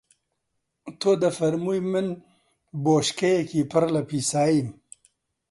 تۆ دەفەرمووی من بۆشکەیەکی پڕ لە پیساییم